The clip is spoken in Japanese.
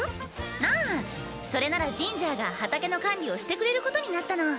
ああそれならジンジャーが畑の管理をしてくれることになったの。